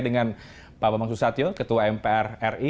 dengan pak bambang susatyo ketua mpr ri